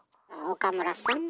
岡村さん。